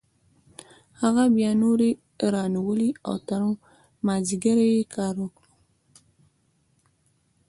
هغه بیا نورې رانیولې او تر مازدیګره یې کار وکړ